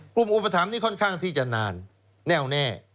กลุ่มอุปถรรมนี่ค่อนข้างที่จะนานแน่วแน่